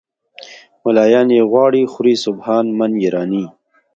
"ملایان یې غواړي خوري سبحان من یرانی".